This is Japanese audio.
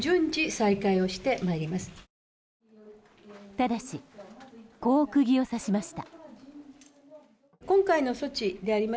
ただし、こう釘を刺しました。